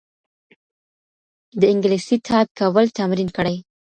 د انګلیسي ټایپ کول تمرین کړئ.